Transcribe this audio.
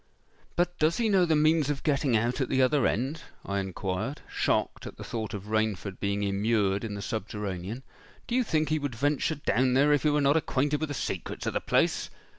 —'But does he know the means of getting out at the other end?' I inquired, shocked at the thought of Rainford being immured in the subterranean.—'_Do you think he would venture down there if he were not acquainted with the secrets of the place?